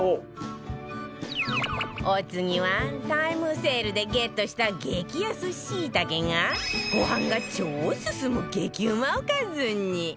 お次はタイムセールでゲットした激安しいたけがご飯が超すすむ激うまおかずに